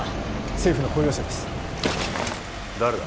政府の公用車です誰だ？